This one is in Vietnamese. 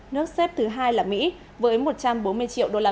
nước xếp thứ hai là mỹ với một trăm bốn mươi triệu usd